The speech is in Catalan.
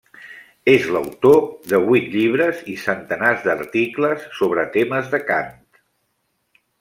És l'autor de vuit llibres i centenars d'articles sobre temes de cant.